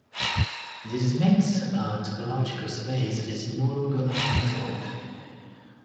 This makes a topological space that is no longer a manifold.